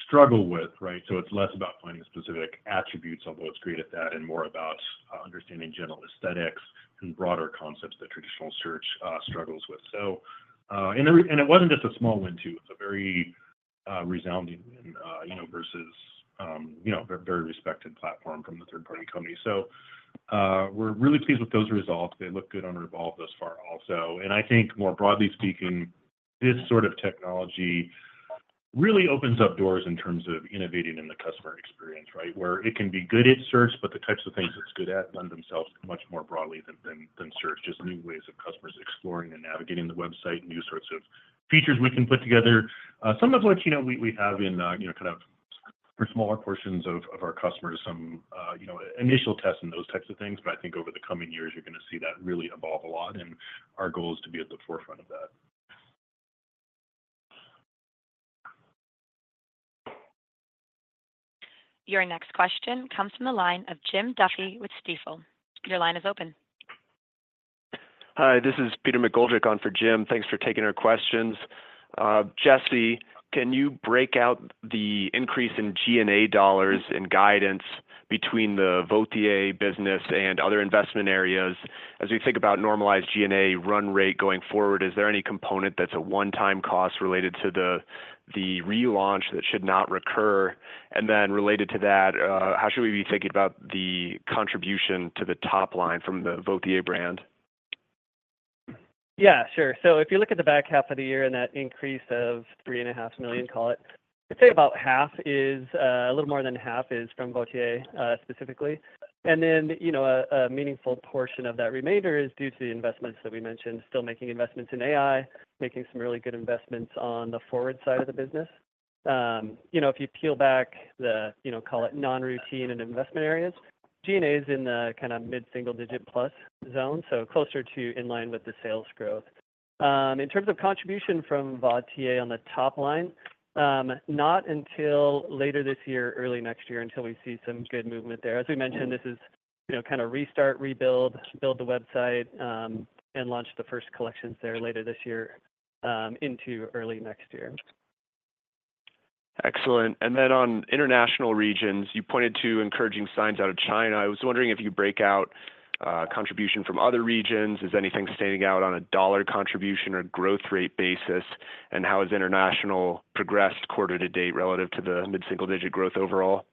struggle with, right? So it's less about finding specific attributes, although it's great at that, and more about understanding general aesthetics and broader concepts that traditional search struggles with. So, and it wasn't just a small win, too. It's a very resounding win, you know, versus a very respected platform from a third-party company. So, we're really pleased with those results. They look good on Revolve thus far also. And I think more broadly speaking, this sort of technology really opens up doors in terms of innovating in the customer experience, right? Where it can be good at search, but the types of things it's good at lend themselves much more broadly than search. Just new ways of customers exploring and navigating the website, new sorts of features we can put together. Some of which, you know, we have in, you know, kind of for smaller portions of our customers, some initial tests and those types of things. But I think over the coming years, you're gonna see that really evolve a lot, and our goal is to be at the forefront of that. Your next question comes from the line of Jim Duffy with Stifel. Your line is open. Hi, this is Peter McGoldrick on for Jim. Thanks for taking our questions. Jesse, can you break out the increase in SG&A dollars and guidance between the Vauthier business and other investment areas? As we think about normalized SG&A run rate going forward, is there any component that's a one-time cost related to the relaunch that should not recur? And then related to that, how should we be thinking about the contribution to the top line from the Vauthier brand? Yeah, sure. So if you look at the back half of the year and that increase of $3.5 million, call it, I'd say about half is a little more than half is from Vauthier specifically. And then, you know, a meaningful portion of that remainder is due to the investments that we mentioned. Still making investments in AI, making some really good investments on the FWRD side of the business. You know, if you peel back the you know call it non-routine and investment areas, G&A is in the kind of mid-single-digit+ zone, so closer to in line with the sales growth. In terms of contribution from Vauthier on the top line, not until later this year, early next year, until we see some good movement there. As we mentioned, this is, you know, kind of restart, rebuild, build the website, and launch the first collections there later this year, into early next year. Excellent. And then on international regions, you pointed to encouraging signs out of China. I was wondering if you could break out contribution from other regions. Is anything standing out on a dollar contribution or growth rate basis? And how has international progressed quarter to date relative to the mid-single-digit growth overall?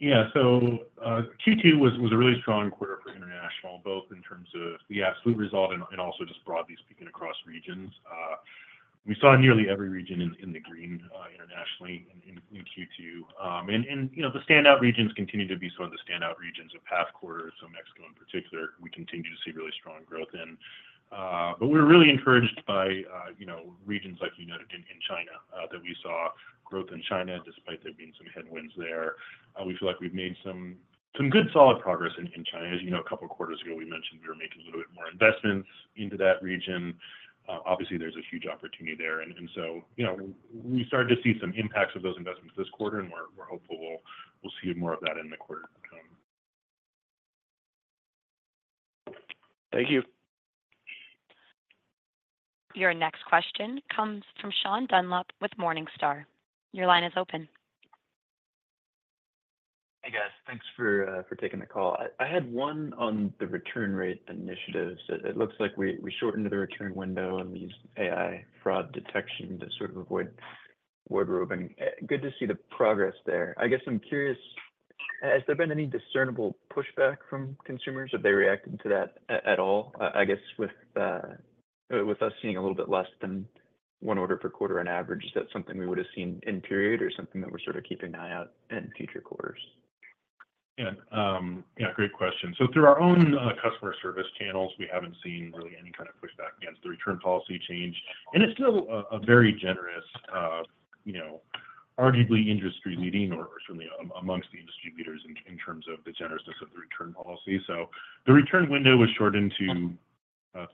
Yeah. So, Q2 was a really strong quarter for international, both in terms of the absolute result and also just broadly speaking, across regions. We saw nearly every region in the green, internationally in Q2. And, you know, the standout regions continue to be some of the standout regions of past quarters. So Mexico, in particular, we continue to see really strong growth in. But we're really encouraged by, you know, regions like you noted in China, that we saw growth in China, despite there being some headwinds there. We feel like we've made some good, solid progress in China. As you know, a couple of quarters ago, we mentioned we were making a little bit more investments into that region. Obviously, there's a huge opportunity there, and so, you know, we started to see some impacts of those investments this quarter, and we're hopeful we'll see more of that in the quarter to come. Thank you. Your next question comes from Sean Dunlop with Morningstar. Your line is open. Hey, guys. Thanks for taking the call. I had one on the return rate initiatives. It looks like we shortened the return window and used AI fraud detection to sort of avoid wardrobing. Good to see the progress there. I guess I'm curious, has there been any discernible pushback from consumers? Have they reacted to that at all? I guess with us seeing a little bit less than one order per quarter on average, is that something we would have seen in period or something that we're sort of keeping an eye out in future quarters? Yeah. Yeah, great question. So through our own customer service channels, we haven't seen really any kind of pushback against the return policy change, and it's still a very generous, you know, arguably industry-leading or certainly amongst the industry leaders in terms of the generousness of the return policy. So the return window was shortened to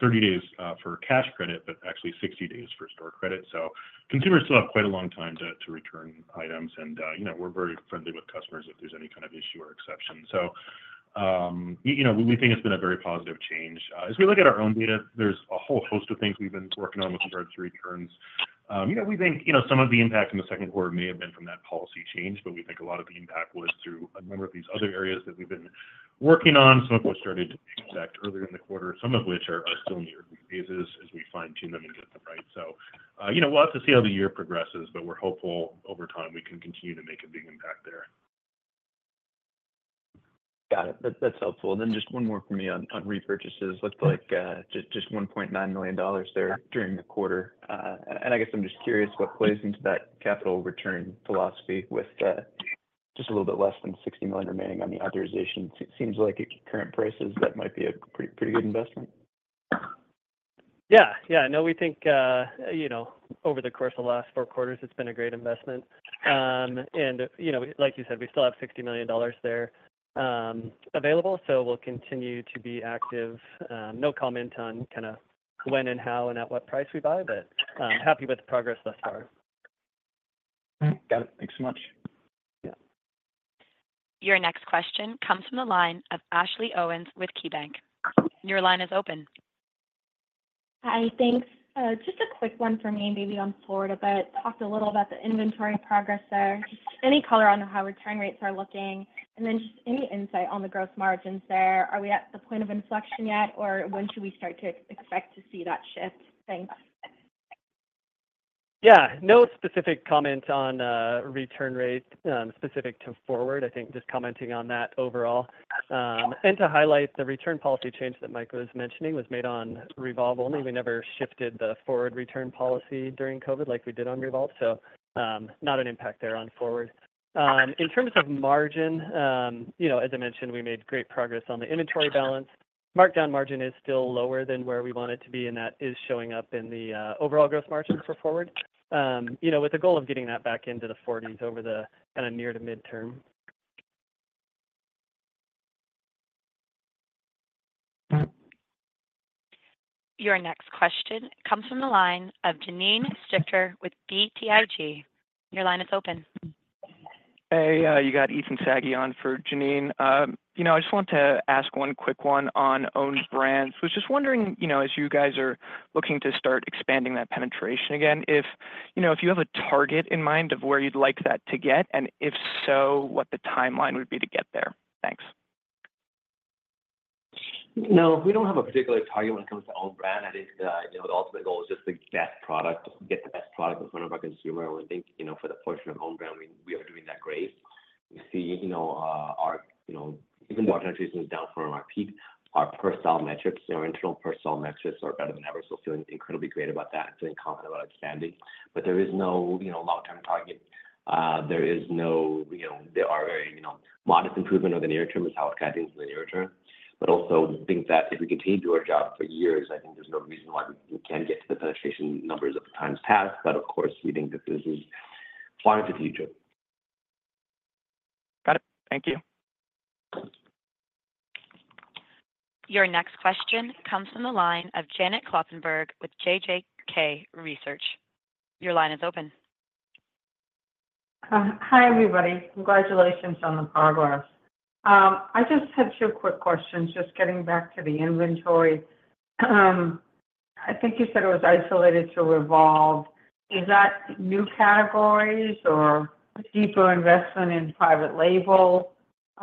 30 days for cash credit, but actually 60 days for store credit. So consumers still have quite a long time to return items, and you know, we're very friendly with customers if there's any kind of issue or exception. So you know, we think it's been a very positive change. As we look at our own data, there's a whole host of things we've been working on with regards to returns. You know, we think, you know, some of the impacts in the second quarter may have been from that policy change, but we think a lot of the impact was through a number of these other areas that we've been working on, some of which started to impact earlier in the quarter, some of which are still in the early phases as we fine-tune them and get them right. So, you know, we'll have to see how the year progresses, but we're hopeful over time, we can continue to make a big impact there. Got it. That, that's helpful. And then just one more for me on, on repurchases. Looked like just $1.9 million there during the quarter. And I guess I'm just curious what plays into that capital return philosophy with just a little bit less than 60 million remaining on the authorization. It seems like at current prices, that might be a pretty, pretty good investment. .Yeah, yeah. No, we think, you know, over the course of the last four quarters, it's been a great investment. And, you know, like you said, we still have $60 million there, available, so we'll continue to be active. No comment on kinda when and how and at what price we buy, but, happy with the progress thus far. Got it. Thanks so much. Yeah. Your next question comes from the line of Ashley Owens with KeyBanc. Your line is open. Hi, thanks. Just a quick one for me, maybe on FWRD, but talked a little about the inventory progress there. Just any color on how return rates are looking, and then just any insight on the gross margins there. Are we at the point of inflection yet, or when should we start to expect to see that shift? Thanks. Yeah. No specific comment on return rates specific to FWRD. I think just commenting on that overall. And to highlight the return policy change that Mike was mentioning was made on Revolve only. We never shifted the FWRD return policy during COVID like we did on Revolve, so not an impact there on FWRD. In terms of margin, you know, as I mentioned, we made great progress on the inventory balance. Markdown margin is still lower than where we want it to be, and that is showing up in the overall gross margins for FWRD. You know, with the goal of getting that back into the forties over the kinda near to midterm. Your next question comes from the line of Janine Stichter with BTIG. Your line is open. Hey, you got Ethan Saghi on for Janine. You know, I just want to ask one quick one on own brands. I was just wondering, you know, as you guys are looking to start expanding that penetration again, if, you know, if you have a target in mind of where you'd like that to get, and if so, what the timeline would be to get there? Thanks. No, we don't have a particular target when it comes to own brand. I think, you know, the ultimate goal is just the best product, get the best product in front of our consumer. I think, you know, for the portion of own brand, we, we are doing that great. We see, you know, our, you know, even more penetration is down from our peak. Our per style metrics, our internal per style metrics are better than ever, so feeling incredibly great about that, feeling confident about expanding. But there is no, you know, long-term target. There is no, you know, there are very, you know, modest improvement over the near term is how it kind of in the near term. But also think that if we continue to do our job for years, I think there's no reason why we can't get to the penetration numbers at the times past. But of course, we think that this is far into the future. Got it. Thank you. Your next question comes from the line of Janet Kloppenburg with JJK Research. Your line is open. Hi, everybody. Congratulations on the progress. I just have two quick questions, just getting back to the inventory. I think you said it was isolated to Revolve. Is that new categories or deeper investment in private label?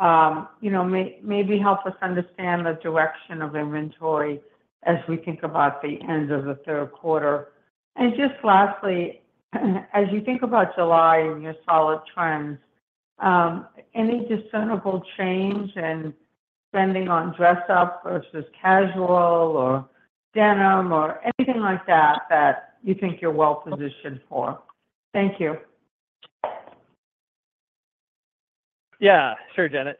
You know, maybe help us understand the direction of inventory as we think about the end of the third quarter. And just lastly, as you think about July and your solid trends, any discernible change in spending on dress up versus casual, or denim, or anything like that, that you think you're well-positioned for? Thank you. Yeah, sure, Janet.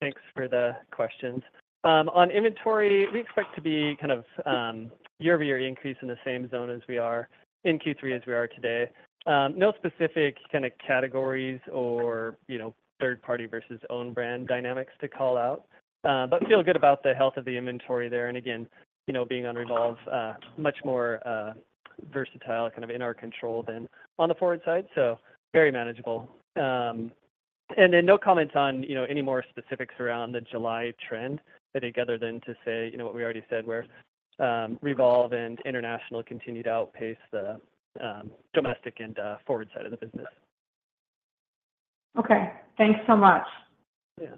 Thanks for the questions. On inventory, we expect to be kind of, year-over-year increase in the same zone as we are in Q3 as we are today. No specific kind of categories or, you know, third party versus own brand dynamics to call out, but feel good about the health of the inventory there. And again, you know, being on Revolve, much more, versatile, kind of in our control than on the FWRD side, so very manageable. And then no comments on, you know, any more specifics around the July trend, I think, other than to say, you know, what we already said, where, Revolve and International continue to outpace the, domestic and, FWRD side of the business. Okay. Thanks so much. Yeah.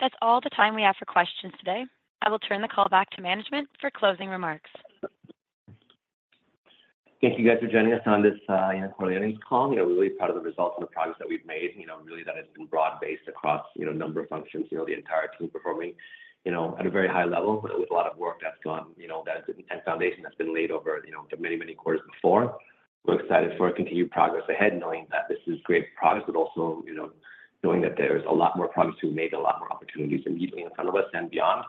That's all the time we have for questions today. I will turn the call back to management for closing remarks. Thank you guys for joining us on this, you know, quarterly earnings call. You know, we're really proud of the results and the progress that we've made, you know, really that has been broad-based across, you know, a number of functions, you know, the entire team performing, you know, at a very high level, but it was a lot of work that's gone, you know, that and foundation that's been laid over, you know, the many, many quarters before. We're excited for our continued progress ahead, knowing that this is great progress, but also, you know, knowing that there's a lot more progress to be made, a lot more opportunities immediately in front of us and beyond.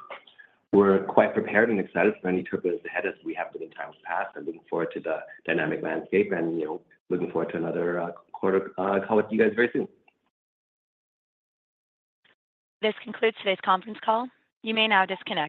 We're quite prepared and excited for any trip that's ahead, as we have been in times past, and looking forward to the dynamic landscape and, you know, looking forward to another quarter call with you guys very soon. This concludes today's conference call. You may now disconnect.